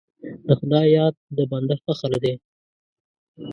د خدای یاد د بنده فخر دی.